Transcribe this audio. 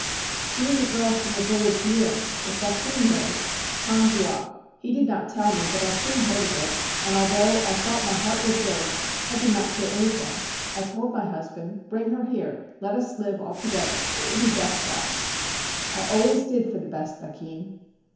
'She is a girl from a village near; the thakin knows, Taungywa. He did not tell me, but I soon heard of it; and although I thought my heart would break, I did not say anything. I told my husband, "Bring her here, let us live all together; it will be best so." I always did for the best, thakin.